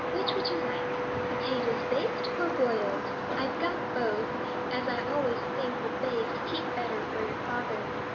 Which would you like, potatoes baked or boiled? I've got both, as I always think the baked keep better for your father.'